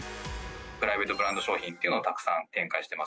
プライベートブランド商品というのをたくさん展開してます。